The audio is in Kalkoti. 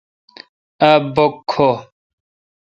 اؘ بک کھو۔